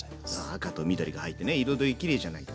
赤と緑が入ってね彩りきれいじゃないか。